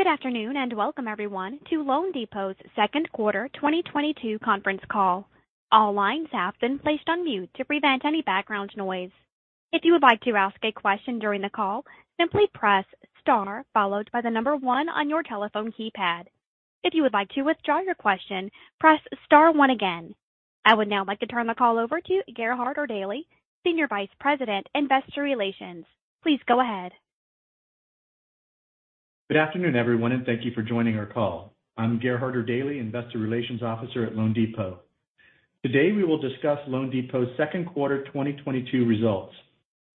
Good afternoon, and welcome everyone to loanDepot's Q2 2022 conference call. All lines have been placed on mute to prevent any background noise. If you would like to ask a question during the call, simply press star followed by the one on your telephone keypad. If you would like to withdraw your question, press star one again. I would now like to turn the call over to Gerhard Erdelji, Senior Vice President, Investor Relations. Please go ahead. Good afternoon, everyone, and thank you for joining our call. I'm Gerhard Erdelji, Investor Relations Officer at loanDepot. Today, we will discuss loanDepot's Q2 2022 results.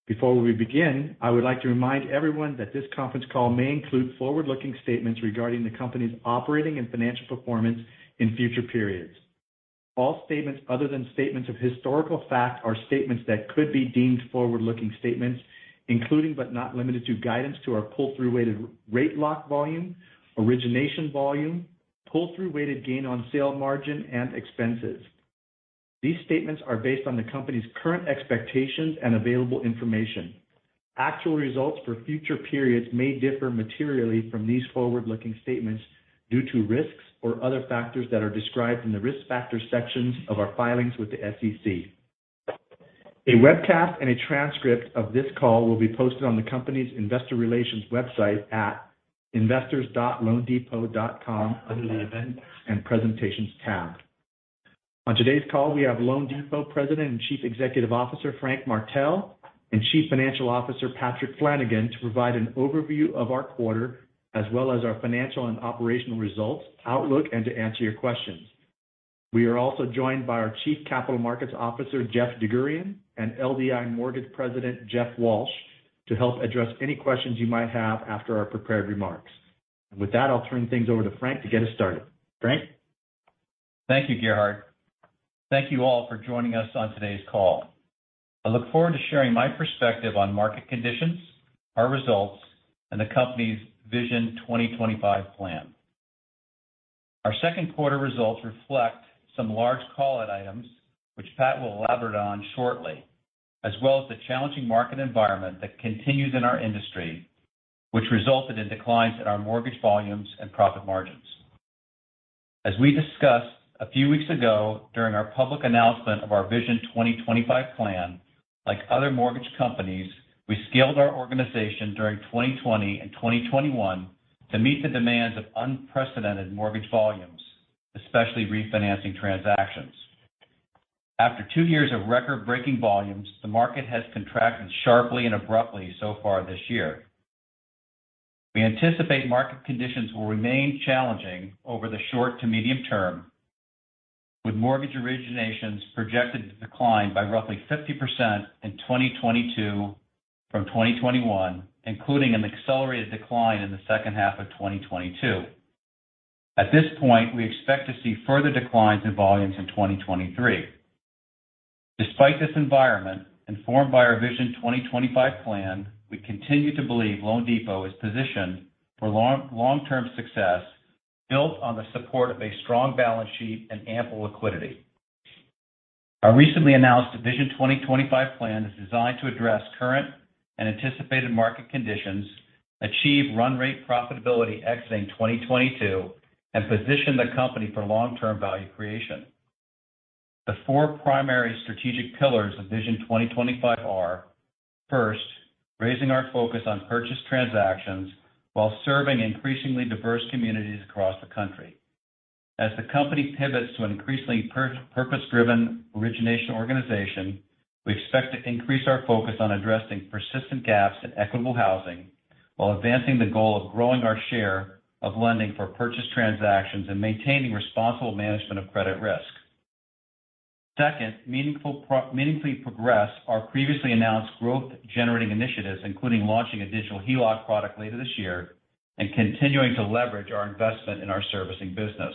Before we begin, I would like to remind everyone that this conference call may include forward-looking statements regarding the company's operating and financial performance in future periods. All statements other than statements of historical fact are statements that could be deemed forward-looking statements, including, but not limited to, guidance to our pull-through weighted rate lock volume, origination volume, pull-through weighted gain on sale margin, and expenses. These statements are based on the company's current expectations and available information. Actual results for future periods may differ materially from these forward-looking statements due to risks or other factors that are described in the Risk Factors sections of our filings with the SEC. A webcast and a transcript of this call will be posted on the company's investor relations website at investors.loandepot.com under the Events and Presentations tab. On today's call, we have loanDepot President and Chief Executive Officer, Frank Martell, and Chief Financial Officer, Patrick Flanagan, to provide an overview of our quarter as well as our financial and operational results, outlook, and to answer your questions. We are also joined by our Chief Capital Markets Officer, Jeff DerGurahian, and LDI Mortgage President, Jeff Walsh, to help address any questions you might have after our prepared remarks. With that, I'll turn things over to Frank to get us started. Frank? Thank you, Gerhard. Thank you all for joining us on today's call. I look forward to sharing my perspective on market conditions, our results, and the company's Vision 2025 plan. Our Q2 results reflect some large call-out items, which Pat will elaborate on shortly, as well as the challenging market environment that continues in our industry, which resulted in declines in our mortgage volumes and profit margins. We discussed a few weeks ago during our public announcement of our Vision 2025 plan, like other mortgage companies, we scaled our organization during 2020 and 2021 to meet the demands of unprecedented mortgage volumes, especially refinancing transactions. After two years of record-breaking volumes, the market has contracted sharply and abruptly so far this year. We anticipate market conditions will remain challenging over the short to medium term, with mortgage originations projected to decline by roughly 50% in 2022 from 2021, including an accelerated decline in the second half of 2022. At this point, we expect to see further declines in volumes in 2023. Despite this environment, informed by our Vision 2025 plan, we continue to believe loanDepot is positioned for long-term success built on the support of a strong balance sheet and ample liquidity. Our recently announced Vision 2025 plan is designed to address current and anticipated market conditions, achieve run rate profitability exiting 2022, and position the company for long-term value creation. The four primary strategic pillars of Vision 2025 are, first, raising our focus on purchase transactions while serving increasingly diverse communities across the country. As the company pivots to an increasingly purpose-driven origination organization, we expect to increase our focus on addressing persistent gaps in equitable housing while advancing the goal of growing our share of lending for purchase transactions and maintaining responsible management of credit risk. Second, meaningfully progress our previously announced growth-generating initiatives, including launching a digital HELOC product later this year and continuing to leverage our investment in our servicing business.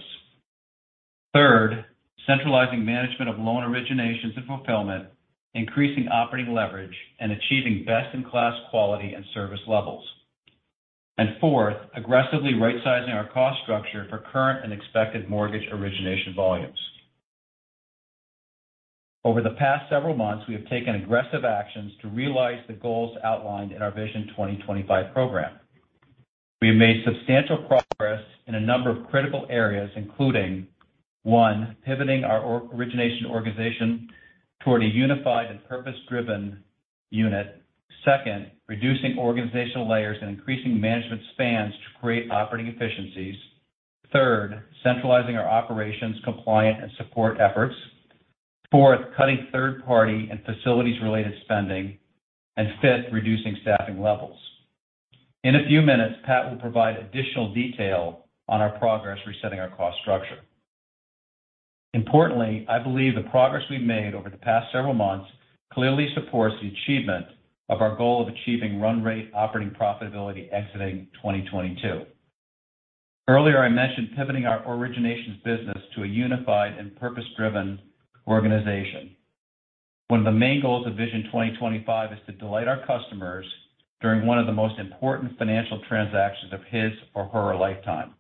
Third, centralizing management of loan originations and fulfillment, increasing operating leverage, and achieving best-in-class quality and service levels. Fourth, aggressively rightsizing our cost structure for current and expected mortgage origination volumes. Over the past several months, we have taken aggressive actions to realize the goals outlined in our Vision 2025 program. We have made substantial progress in a number of critical areas, including one, pivoting our origination organization toward a unified and purpose-driven unit. Second, reducing organizational layers and increasing management spans to create operating efficiencies. Third, centralizing our operations, compliance, and support efforts. Fourth, cutting third-party and facilities-related spending. Fifth, reducing staffing levels. In a few minutes, Pat will provide additional detail on our progress resetting our cost structure. Importantly, I believe the progress we've made over the past several months clearly supports the achievement of our goal of achieving run rate operating profitability exiting 2022. Earlier I mentioned pivoting our originations business to a unified and purpose-driven organization. One of the main goals of Vision 2025 is to delight our customers during one of the most important financial transactions of his or her lifetime.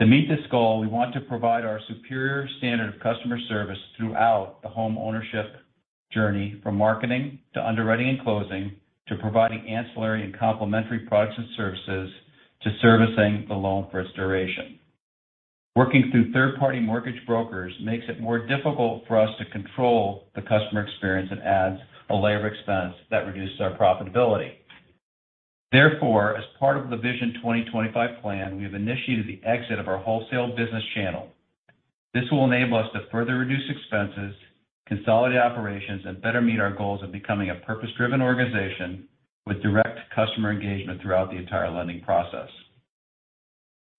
To meet this goal, we want to provide our superior standard of customer service throughout the home ownership journey, from marketing to underwriting and closing, to providing ancillary and complementary products and services, to servicing the loan for its duration. Working through third-party mortgage brokers makes it more difficult for us to control the customer experience and adds a layer of expense that reduces our profitability. Therefore, as part of the Vision 2025 plan, we have initiated the exit of our wholesale business channel. This will enable us to further reduce expenses, consolidate operations, and better meet our goals of becoming a purpose-driven organization with direct customer engagement throughout the entire lending process.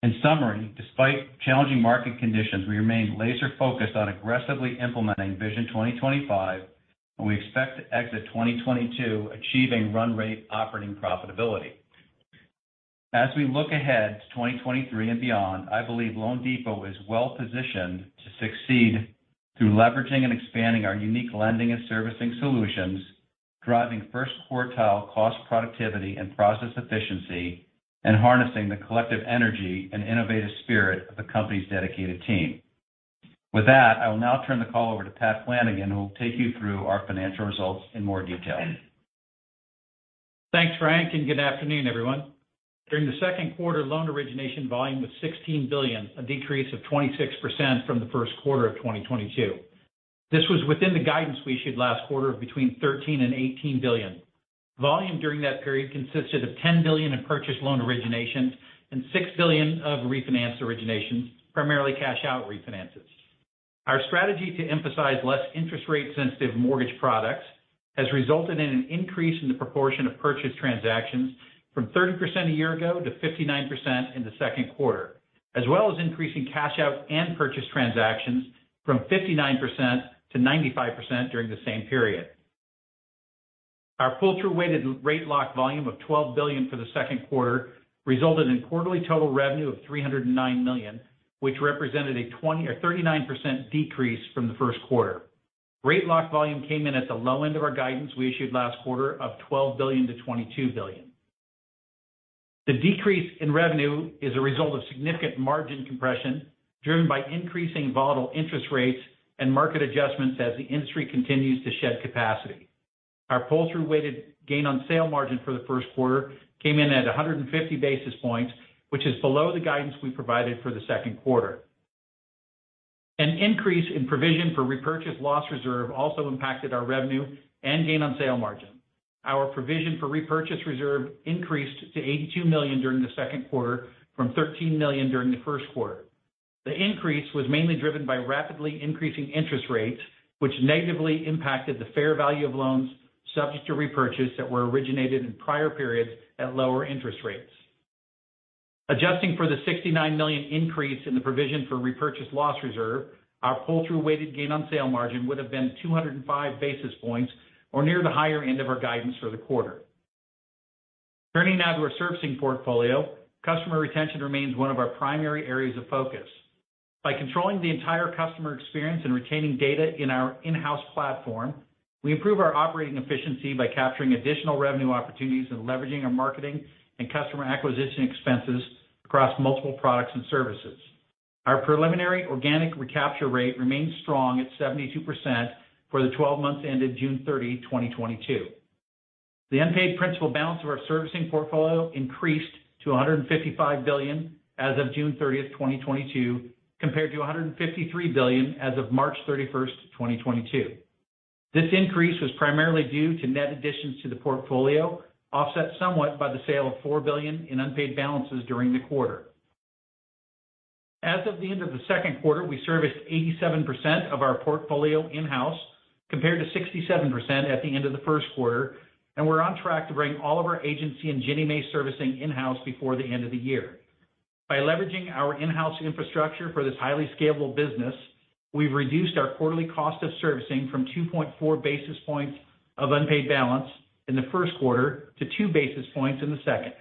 In summary, despite challenging market conditions, we remain laser-focused on aggressively implementing Vision 2025, and we expect to exit 2022 achieving run rate operating profitability. As we look ahead to 2023 and beyond, I believe loanDepot is well positioned to succeed through leveraging and expanding our unique lending and servicing solutions, driving first quartile cost productivity and process efficiency, and harnessing the collective energy and innovative spirit of the company's dedicated team. With that, I will now turn the call over to Pat Flanagan, who will take you through our financial results in more detail. Thanks, Frank, and good afternoon, everyone. During the Q2, loan origination volume was $16 billion, a decrease of 26% from the Q1 of 2022. This was within the guidance we issued last quarter of between $13 billion and $18 billion. Volume during that period consisted of $10 billion in purchase loan originations and $6 billion of refinance originations, primarily cash-out refinances. Our strategy to emphasize less interest rate sensitive mortgage products has resulted in an increase in the proportion of purchase transactions from 30% a year ago to 59% in the Q2, as well as increasing cash-out and purchase transactions from 59% -95% during the same period. Our pull-through weighted rate lock volume of $12 billion for the Q2 resulted in quarterly total revenue of $309 million, which represented a 20.39% decrease from the Q1. Rate lock volume came in at the low end of our guidance we issued last quarter of $12 billion-$22 billion. The decrease in revenue is a result of significant margin compression driven by increasing volatile interest rates and market adjustments as the industry continues to shed capacity. Our pull-through weighted gain on sale margin for the Q1 came in at 150 basis points, which is below the guidance we provided for the Q2. An increase in provision for repurchase loss reserve also impacted our revenue and gain on sale margin. Our provision for repurchase reserve increased to $82 million during the Q2 from $13 million during the Q1. The increase was mainly driven by rapidly increasing interest rates, which negatively impacted the fair value of loans subject to repurchase that were originated in prior periods at lower interest rates. Adjusting for the $69 million increase in the provision for repurchase loss reserve, our pull-through weighted gain on sale margin would have been 205 basis points or near the higher end of our guidance for the quarter. Turning now to our servicing portfolio. Customer retention remains one of our primary areas of focus. By controlling the entire customer experience and retaining data in our in-house platform, we improve our operating efficiency by capturing additional revenue opportunities and leveraging our marketing and customer acquisition expenses across multiple products and services. Our preliminary organic recapture rate remains strong at 72% for the twelve months ended June 30 2022. The unpaid principal balance of our servicing portfolio increased to $155 billion as of June 30th 2022, compared to $153 billion as of March 31st 2022. This increase was primarily due to net additions to the portfolio, offset somewhat by the sale of $4 billion in unpaid balances during the quarter. As of the end of the Q2, we serviced 87% of our portfolio in-house, compared to 67% at the end of the Q1, and we're on track to bring all of our agency and Ginnie Mae servicing in-house before the end of the year. By leveraging our in-house infrastructure for this highly scalable business, we've reduced our quarterly cost of servicing from 2.4 basis points of unpaid balance in the Q1 to 2 basis points in the second.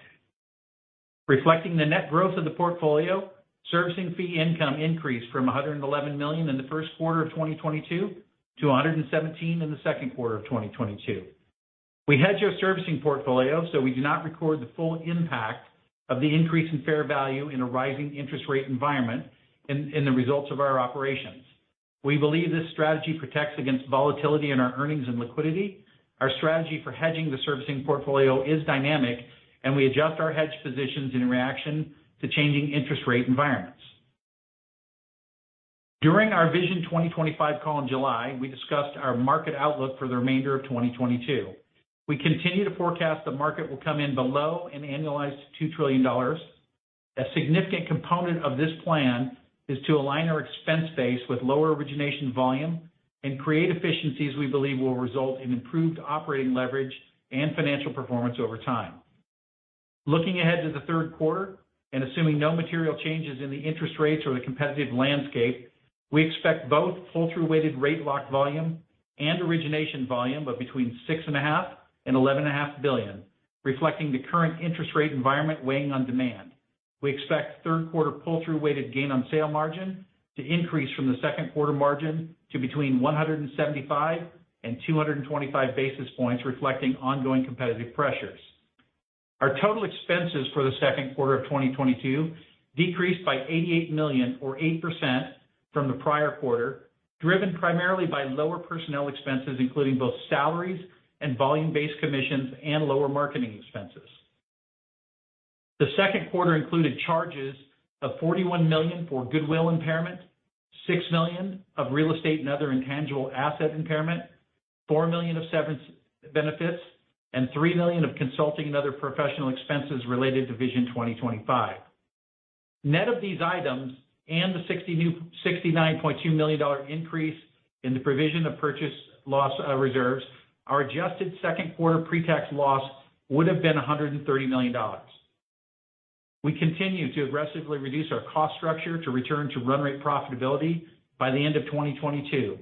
Reflecting the net growth of the portfolio, servicing fee income increased from $111 million in the Q1 of 2022 to $117 million in the Q2 of 2022. We hedge our servicing portfolio so we do not record the full impact of the increase in fair value in a rising interest rate environment in the results of our operations. We believe this strategy protects against volatility in our earnings and liquidity. Our strategy for hedging the servicing portfolio is dynamic, and we adjust our hedge positions in reaction to changing interest rate environments. During our Vision 2025 call in July, we discussed our market outlook for the remainder of 2022. We continue to forecast the market will come in below an annualized $2 trillion. A significant component of this plan is to align our expense base with lower origination volume and create efficiencies we believe will result in improved operating leverage and financial performance over time. Looking ahead to the Q3 and assuming no material changes in the interest rates or the competitive landscape, we expect both pull-through weighted rate lock volume and origination volume of between $6.5 billion and $11.5 billion, reflecting the current interest rate environment weighing on demand. We expect Q3 pull-through weighted gain on sale margin to increase from the Q2 margin to between 175 and 225 basis points, reflecting ongoing competitive pressures. Our total expenses for the Q2 of 2022 decreased by $88 million or 8% from the prior quarter, driven primarily by lower personnel expenses, including both salaries and volume-based commissions and lower marketing expenses. The Q2 included charges of $41 million for goodwill impairment, $6 million of real estate and other intangible asset impairment, $4 million of severance benefits, and $3 million of consulting and other professional expenses related to Vision 2025. Net of these items and the $69.2 million increase in the provision for purchased loan loss reserves, our adjusted Q2 pre-tax loss would have been $130 million. We continue to aggressively reduce our cost structure to return to run rate profitability by the end of 2022.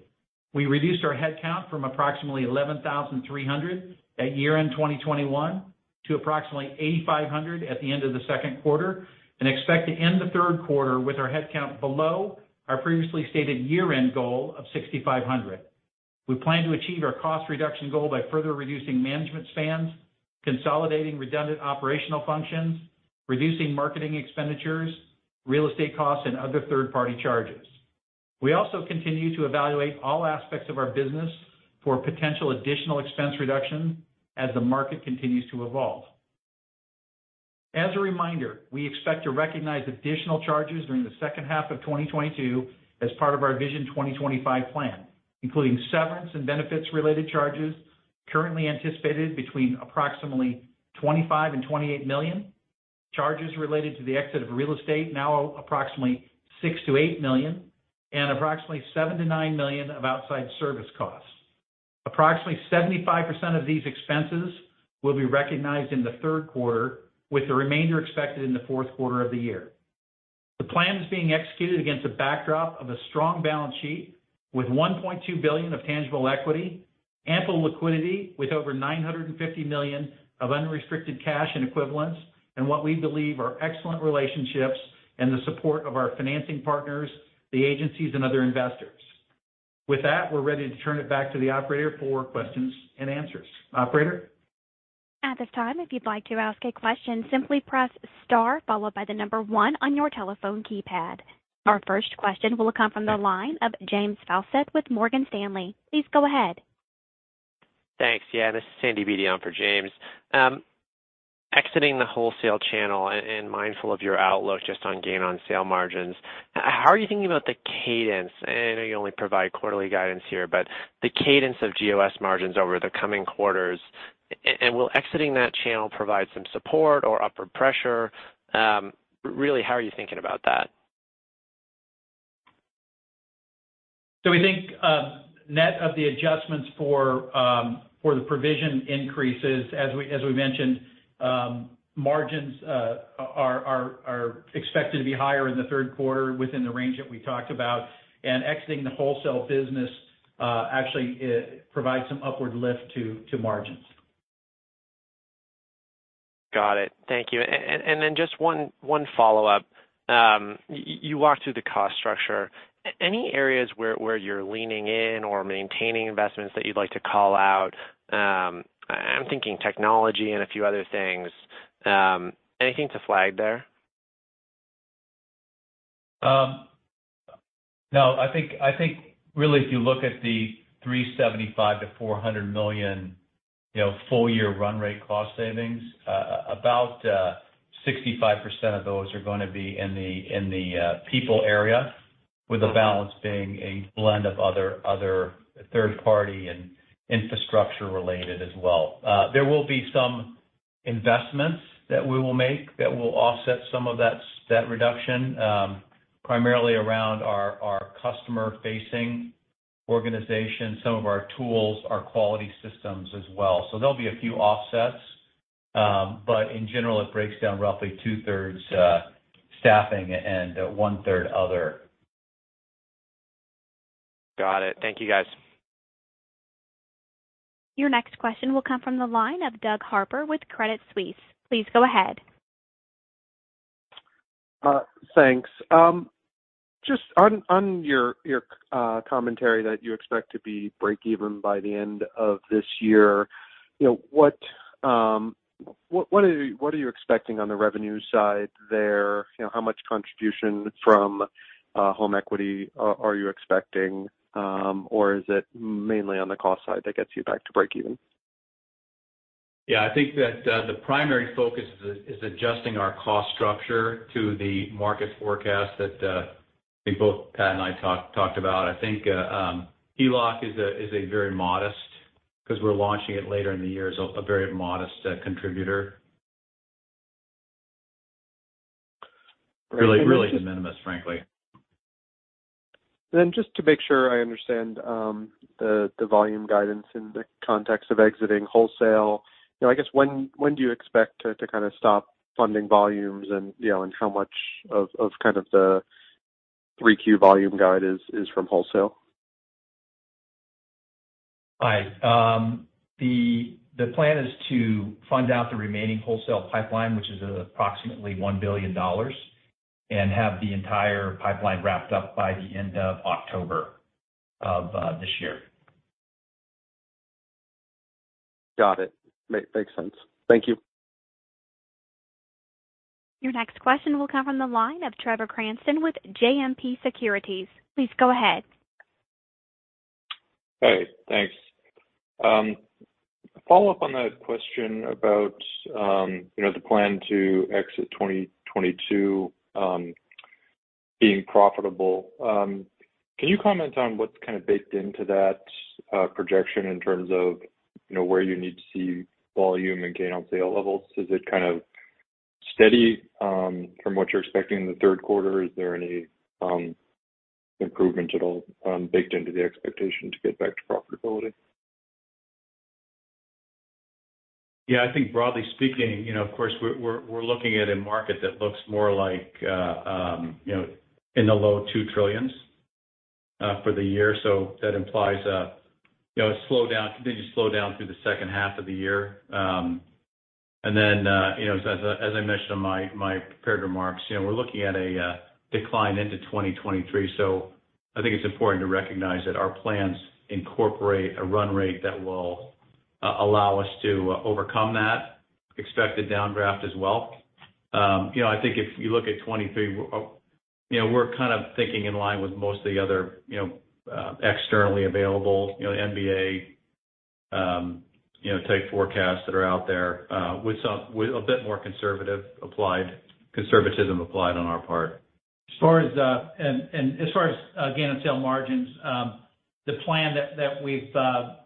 We reduced our headcount from approximately 11,300 at year-end 2021 to approximately 8,500 at the end of the Q2 and expect to end the Q3 with our headcount below our previously stated year-end goal of 6,500. We plan to achieve our cost reduction goal by further reducing management spans, consolidating redundant operational functions, reducing marketing expenditures, real estate costs, and other third-party charges. We also continue to evaluate all aspects of our business for potential additional expense reduction as the market continues to evolve. As a reminder, we expect to recognize additional charges during the second half of 2022 as part of our Vision 2025 plan, including severance and benefits-related charges currently anticipated between approximately $25 million-$28 million, charges related to the exit of real estate now approximately $6 million-$8 million, and approximately $7 million-$9 million of outside service costs. Approximately 75% of these expenses will be recognized in the Q3, with the remainder expected in the Q4 of the year. The plan is being executed against a backdrop of a strong balance sheet with $1.2 billion of tangible equity, ample liquidity with over $950 million of unrestricted cash and equivalents, and what we believe are excellent relationships and the support of our financing partners, the agencies and other investors. With that, we're ready to turn it back to the operator for questions and answers. Operator? At this time, if you'd like to ask a question, simply press star followed by the number one on your telephone keypad. Our first question will come from the line of James Faucette with Morgan Stanley. Please go ahead. Thanks. Yeah, this is Sandy Beedon for James. Exiting the wholesale channel and mindful of your outlook just on gain on sale margins, how are you thinking about the cadence? I know you only provide quarterly guidance here, but the cadence of GOS margins over the coming quarters and will exiting that channel provide some support or upward pressure? Really, how are you thinking about that? We think net of the adjustments for the provision increases, as we mentioned, margins are expected to be higher in the Q3 within the range that we talked about. Exiting the wholesale business actually provides some upward lift to margins. Got it. Thank you. Just one follow-up. You walked through the cost structure. Any areas where you're leaning in or maintaining investments that you'd like to call out? I'm thinking technology and a few other things. Anything to flag there? No. I think really if you look at the $375 million-$400 million, you know, full year run rate cost savings, about 65% of those are going to be in the people area with the balance being a blend of other third party and infrastructure related as well. There will be some investments that we will make that will offset some of that reduction, primarily around our customer-facing organization, some of our tools, our quality systems as well. There'll be a few offsets. In general, it breaks down roughly 2/3 staffing and 1/3 other. Got it. Thank you, guys. Your next question will come from the line of Doug Harter with Credit Suisse. Please go ahead. Thanks. Just on your commentary that you expect to be breakeven by the end of this year, you know, what are you expecting on the revenue side there? You know, how much contribution from home equity are you expecting? Is it mainly on the cost side that gets you back to breakeven? Yeah. I think that the primary focus is adjusting our cost structure to the market forecast that I think both Pat and I talked about. I think HELOC is a very modest because we're launching it later in the year as a very modest contributor. Really de minimis, frankly. Just to make sure I understand, the volume guidance in the context of exiting wholesale. You know, I guess when do you expect to kind of stop funding volumes and, you know, and how much of kind of the three Q volume guide is from wholesale? Right. The plan is to fund out the remaining wholesale pipeline, which is approximately $1 billion, and have the entire pipeline wrapped up by the end of October of this year. Got it. Makes sense. Thank you. Your next question will come from the line of Trevor Cranston with JMP Securities. Please go ahead. Hey, thanks. A follow-up on that question about, you know, the plan to exit 2022, being profitable. Can you comment on what's kind of baked into that projection in terms of, you know, where you need to see volume and gain on sale levels? Is it kind of steady from what you're expecting in the Q3? Is there any improvement at all baked into the expectation to get back to profitability? Yeah, I think broadly speaking, you know, of course, we're looking at a market that looks more like, you know, in the low $2 trillion for the year. That implies a, you know, slowdown, continued slowdown through the second half of the year. You know, as I mentioned in my prepared remarks, you know, we're looking at a decline into 2023. I think it's important to recognize that our plans incorporate a run rate that will allow us to overcome that expected downdraft as well. You know, I think if you look at 2023, you know, we're kind of thinking in line with most of the other, you know, externally available, you know, MBA, you know, type forecasts that are out there, with some.with a bit more conservatism applied on our part. As far as gain on sale margins, the plan that we've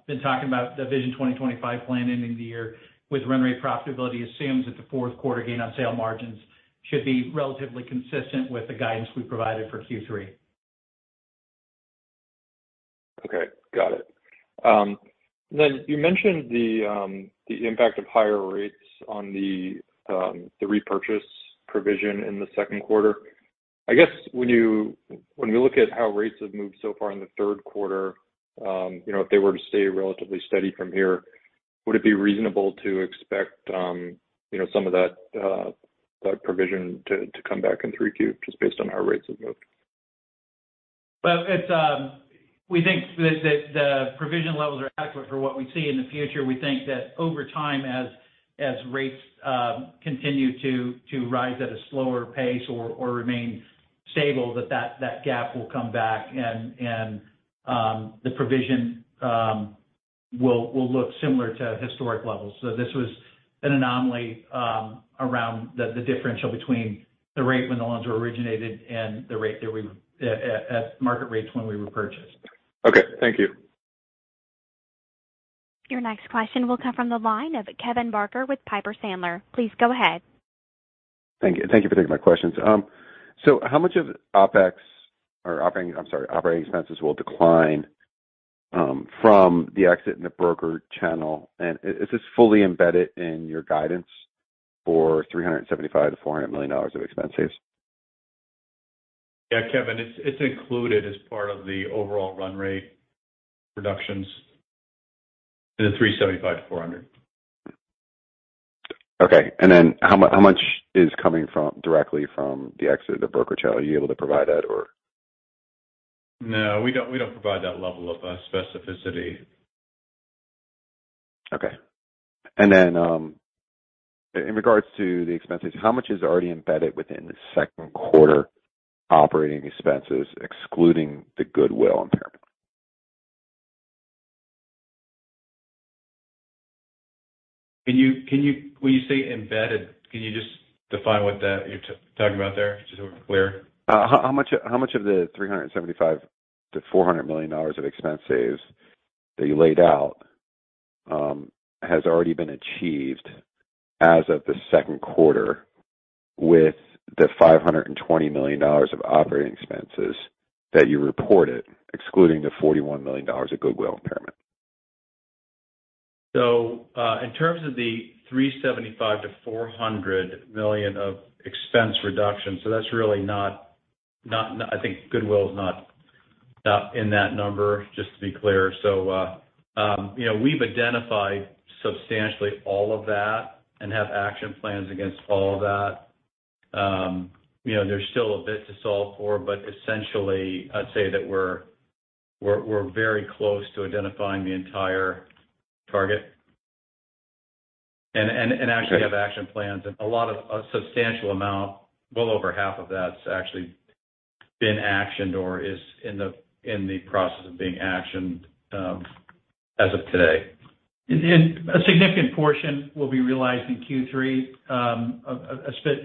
been talking about, the Vision 2025 plan ending the year with run rate profitability assumes that the fourth quarter gain on sale margins should be relatively consistent with the guidance we provided for Q3. Okay. Got it. You mentioned the impact of higher rates on the repurchase provision in the Q2. I guess when you look at how rates have moved so far in the Q3, you know, if they were to stay relatively steady from here, would it be reasonable to expect, you know, some of that provision to come back in 3Q, just based on how rates have moved? Well, we think that the provision levels are adequate for what we see in the future. We think that over time, as rates continue to rise at a slower pace or remain stable, that gap will come back and the provision will look similar to historic levels. This was an anomaly around the differential between the rate when the loans were originated and the rate at market rates when we repurchased. Okay. Thank you. Your next question will come from the line of Kevin Barker with Piper Sandler. Please go ahead. Thank you. Thank you for taking my questions. How much of OpEx or operating expenses will decline from the exit in the broker channel? Is this fully embedded in your guidance for $375 million-$400 million of expense savings? Yeah, Kevin, it's included as part of the overall run rate reductions in the $375-$400. Okay. How much is coming from, directly from the exit of the broker channel? Are you able to provide that or? No, we don't provide that level of specificity. Okay. In regards to the expenses, how much is already embedded within the Q2 operating expenses, excluding the goodwill impairment? When you say embedded, can you just define what that you're talking about there, just so we're clear? How much of the $375 million-$400 million of expense savings that you laid out has already been achieved as of the Q2 with the $520 million of operating expenses that you reported, excluding the $41 million of goodwill impairment? In terms of the $375 million-$400 million of expense reduction, that's really not. I think goodwill is not in that number, just to be clear. You know, we've identified substantially all of that and have action plans against all of that. You know, there's still a bit to solve for, but essentially, I'd say that we're very close to identifying the entire target. And actually have action plans. And a lot of, a substantial amount, well over half of that's actually been actioned or is in the process of being actioned, as of today. A significant portion will be realized in Q3.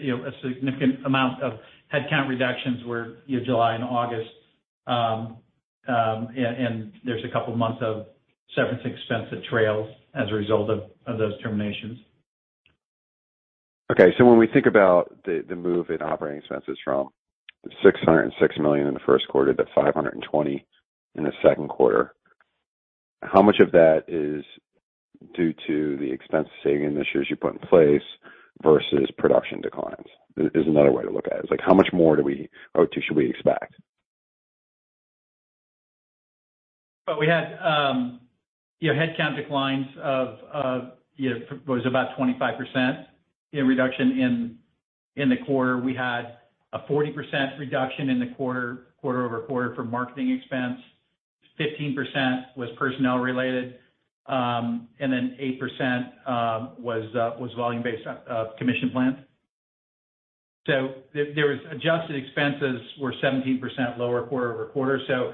You know, a significant amount of headcount reductions in July and August. There's a couple of months of severance expense that trails as a result of those terminations. Okay. When we think about the move in operating expenses from $606 million in the Q1 to $520 million in the Q2, how much of that is due to the expense saving initiatives you put in place versus production declines? Is another way to look at it. It's like, how much more do we or should we expect? Well, we had you know headcount declines of you know it was about 25% reduction. In the quarter, we had a 40% reduction quarter-over-quarter for marketing expense. 15% was personnel related, and then 8% was volume-based commission plans. Adjusted expenses were 17% lower quarter-over-quarter.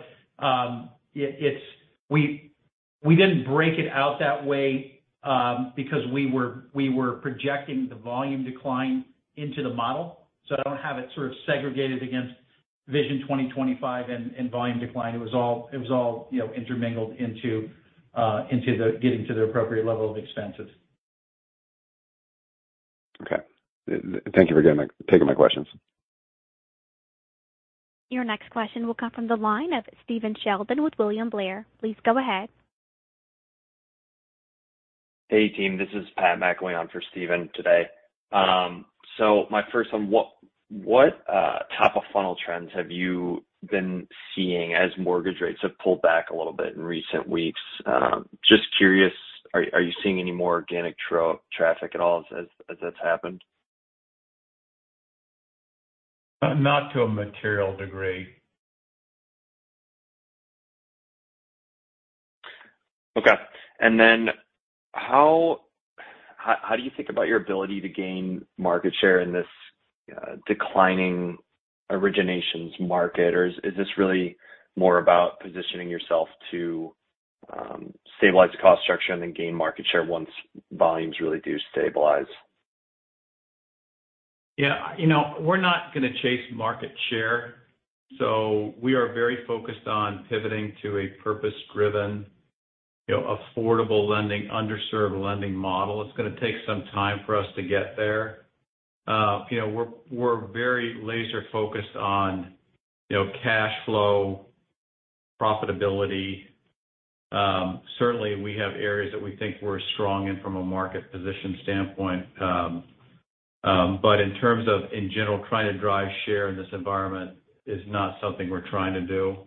We didn't break it out that way because we were projecting the volume decline into the model. I don't have it sort of segregated against Vision 2025 and volume decline. It was all you know intermingled into getting to the appropriate level of expenses. Okay. Thank you for taking my questions. Your next question will come from the line of Stephen Sheldon with William Blair. Please go ahead. Hey, team. This is Pat McElhinney on for Stephen today. My first one: what top of funnel trends have you been seeing as mortgage rates have pulled back a little bit in recent weeks? Just curious, are you seeing any more organic traffic at all as that's happened? Not to a material degree. Okay. How do you think about your ability to gain market share in this declining originations market? Or is this really more about positioning yourself to stabilize the cost structure and then gain market share once volumes really do stabilize? Yeah. You know, we're not gonna chase market share. We are very focused on pivoting to a purpose-driven, you know, affordable lending, underserved lending model. It's gonna take some time for us to get there. You know, we're very laser-focused on, you know, cash flow profitability. Certainly we have areas that we think we're strong in from a market position standpoint. But in terms of in general, trying to drive share in this environment is not something we're trying to do.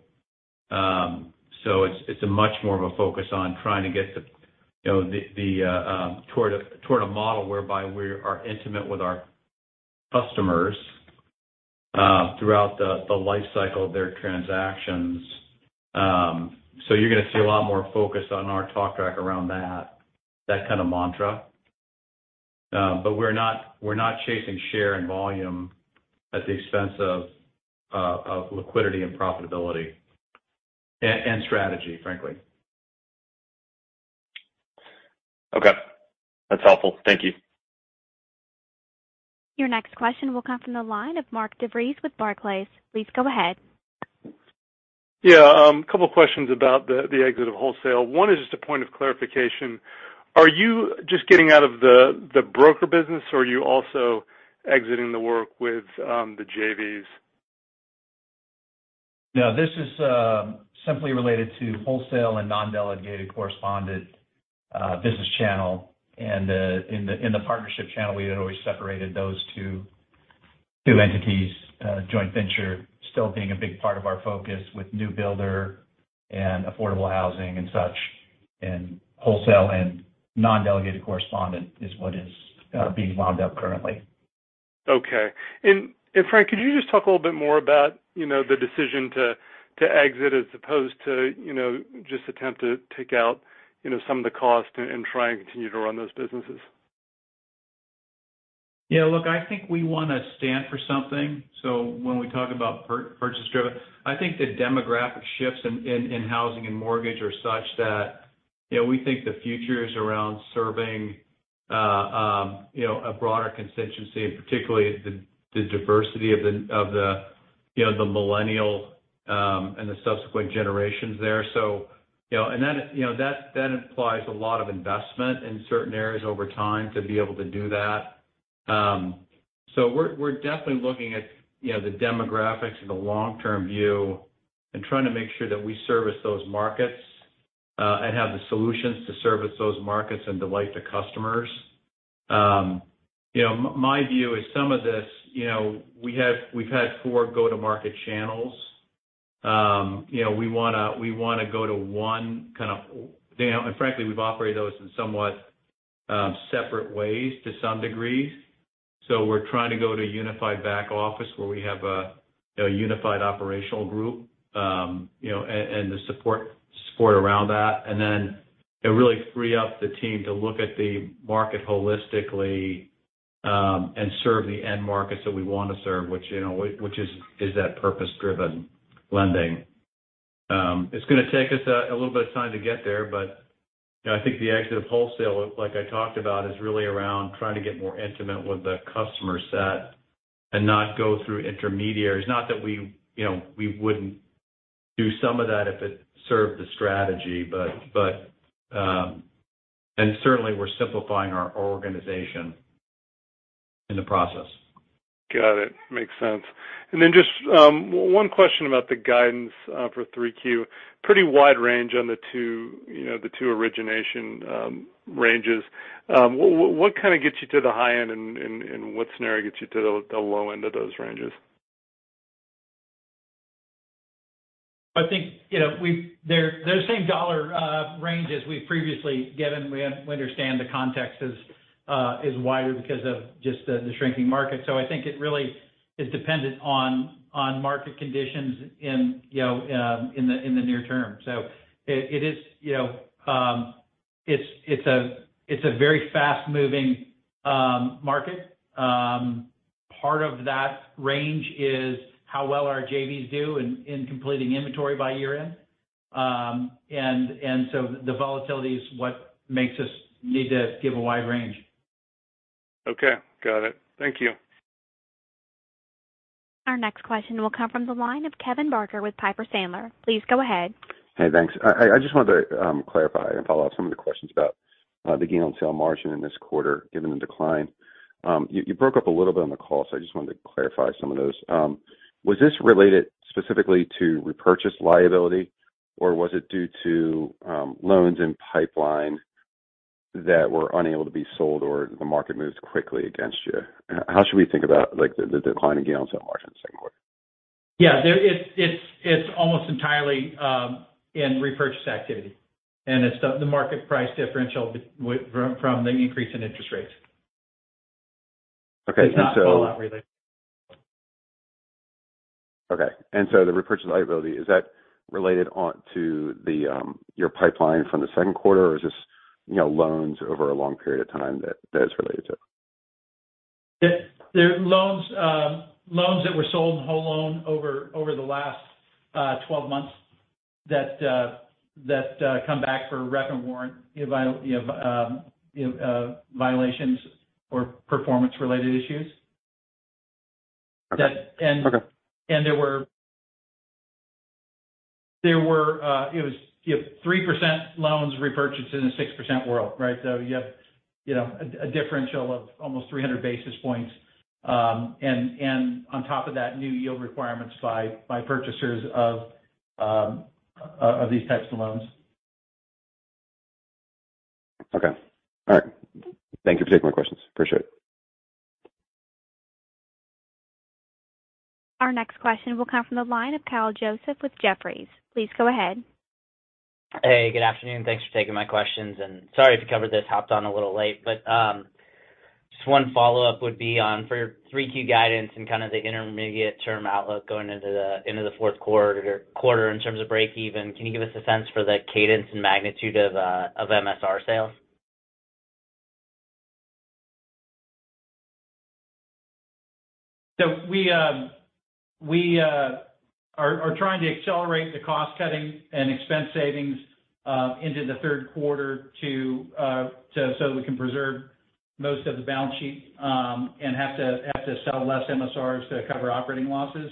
It's a much more of a focus on trying to get the, you know, the toward a model whereby we are intimate with our customers throughout the life cycle of their transactions. You're gonna see a lot more focus on our talk track around that kind of mantra. We're not chasing share and volume at the expense of liquidity and profitability and strategy, frankly. Okay. That's helpful. Thank you. Your next question will come from the line of Mark DeVries with Barclays. Please go ahead. Yeah, couple questions about the exit of wholesale. One is just a point of clarification. Are you just getting out of the broker business, or are you also exiting the work with the JVs? No, this is simply related to wholesale and non-delegated correspondent business channel. In the partnership channel, we had always separated those two entities. Joint venture still being a big part of our focus with new builder and affordable housing and such, and wholesale and non-delegated correspondent is what is being wound up currently. Okay. Frank, could you just talk a little bit more about, you know, the decision to exit as opposed to, you know, just attempt to take out, you know, some of the cost and try and continue to run those businesses? Yeah. Look, I think we wanna stand for something. When we talk about purchase driven, I think the demographic shifts in housing and mortgage are such that, you know, we think the future is around serving, you know, a broader constituency, and particularly the diversity of the millennial and the subsequent generations there. You know, that implies a lot of investment in certain areas over time to be able to do that. We're definitely looking at, you know, the demographics and the long-term view and trying to make sure that we service those markets and have the solutions to service those markets and delight the customers. You know, my view is some of this, you know, we've had four go-to-market channels. You know, we wanna go to one kind of. You know, and frankly, we've operated those in somewhat separate ways to some degree. We're trying to go to unified back office where we have a you know, unified operational group, you know, and the support around that. It really free up the team to look at the market holistically, and serve the end markets that we want to serve, which, you know, which is that purpose-driven lending. It's gonna take us a little bit of time to get there, but, you know, I think the exit of wholesale, like I talked about, is really around trying to get more intimate with the customer set and not go through intermediaries. Not that we, you know, we wouldn't do some of that if it served the strategy, but certainly we're simplifying our organization in the process. Got it. Makes sense. Just one question about the guidance for 3Q. Pretty wide range on the two, you know, origination ranges. What kind of gets you to the high end and what scenario gets you to the low end of those ranges? I think they're the same dollar range as we've previously given. We understand the context is wider because of just the shrinking market. I think it really is dependent on market conditions in the near term. It is a very fast-moving market. Part of that range is how well our JVs do in completing inventory by year-end. The volatility is what makes us need to give a wide range. Okay, got it. Thank you. Our next question will come from the line of Kevin Barker with Piper Sandler. Please go ahead. Hey, thanks. I just wanted to clarify and follow up some of the questions about the gain on sale margin in this quarter, given the decline. You broke up a little bit on the call, so I just wanted to clarify some of those. Was this related specifically to repurchase liability, or was it due to loans in pipeline that were unable to be sold or the market moved quickly against you? How should we think about, like, the decline in gain on sale margin in the Q2? It's almost entirely in repurchase activity. It's the market price differential from the increase in interest rates. Okay. It's not fallout related. Okay. The repurchase liability, is that related only to your pipeline from the Q2 or is this, you know, loans over a long period of time that it's related to? They're loans that were sold in whole loan over the last 12 months that come back for rep and warrant, you know, violations or performance-related issues. Okay. Okay. It was, you know, 3% loans repurchased in a 6% world, right? You have, you know, a differential of almost 300 basis points. On top of that, new yield requirements by purchasers of these types of loans. Okay. All right. Thank you for taking my questions. Appreciate it. Our next question will come from the line of Kyle Joseph with Jefferies. Please go ahead. Hey, good afternoon. Thanks for taking my questions. Sorry if you covered this, hopped on a little late. Just one follow-up would be on for your 3Q guidance and kind of the intermediate term outlook going into the Q4 in terms of break even, can you give us a sense for the cadence and magnitude of MSR sales? We are trying to accelerate the cost cutting and expense savings into the Q3 so that we can preserve most of the balance sheet and have to sell less MSRs to cover operating losses.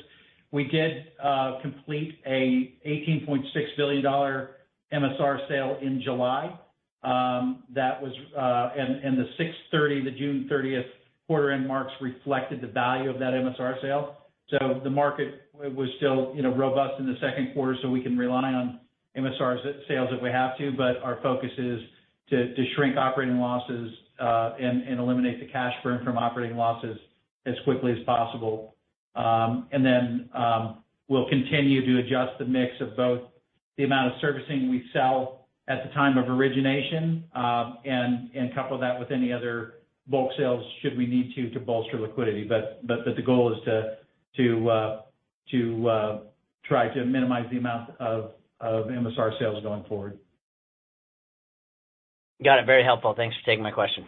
We did complete a $18.6 billion MSR sale in July. That was, and the 6/30, the June 30th quarter-end marks reflected the value of that MSR sale. The market was still, you know, robust in the Q2, so we can rely on MSR sales if we have to. Our focus is to shrink operating losses and eliminate the cash burn from operating losses as quickly as possible. We'll continue to adjust the mix of both the amount of servicing we sell at the time of origination, and couple that with any other bulk sales should we need to bolster liquidity. The goal is to try to minimize the amount of MSR sales going forward. Got it. Very helpful. Thanks for taking my question.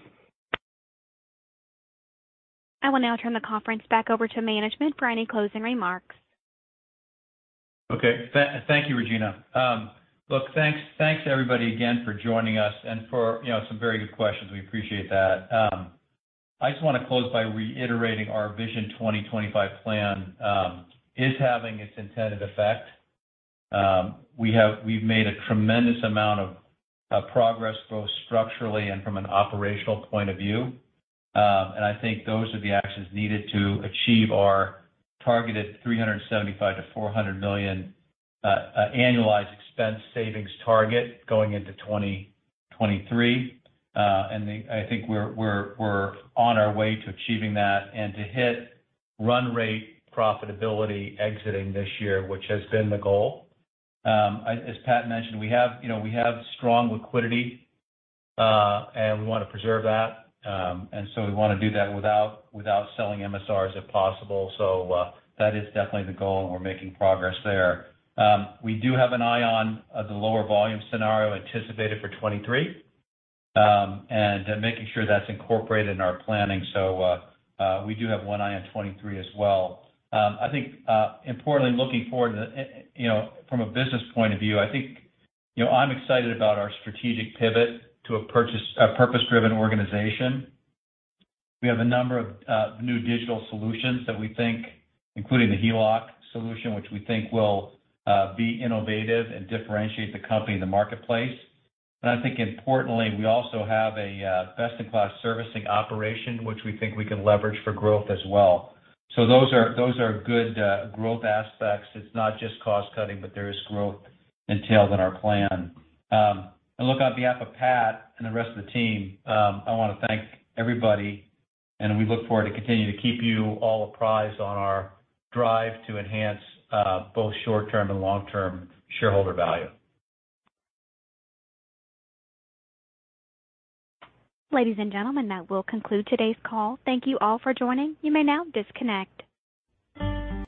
I will now turn the conference back over to management for any closing remarks. Okay. Thank you, Regina. Look, thanks, everybody, again for joining us and for, you know, some very good questions. We appreciate that. I just want to close by reiterating our Vision 2025 plan is having its intended effect. We have we've made a tremendous amount of progress, both structurally and from an operational point of view. I think those are the actions needed to achieve our targeted $375 million-$400 million annualized expense savings target going into 2023. I think we're on our way to achieving that and to hit run rate profitability exiting this year, which has been the goal. As Pat mentioned, we have, you know, we have strong liquidity, and we want to preserve that. We want to do that without selling MSRs if possible. That is definitely the goal, and we're making progress there. We do have an eye on the lower volume scenario anticipated for 2023, and making sure that's incorporated in our planning. We do have one eye on 2023 as well. I think importantly, looking forward, you know, from a business point of view, I think, you know, I'm excited about our strategic pivot to a purpose-driven organization. We have a number of new digital solutions that we think, including the HELOC solution, which we think will be innovative and differentiate the company in the marketplace. I think importantly, we also have a best-in-class servicing operation which we think we can leverage for growth as well. Those are good growth aspects. It's not just cost cutting, but there is growth entailed in our plan. Look, on behalf of Pat and the rest of the team, I wanna thank everybody, and we look forward to continuing to keep you all apprised on our drive to enhance both short-term and long-term shareholder value. Ladies and gentlemen, that will conclude today's call. Thank you all for joining. You may now disconnect.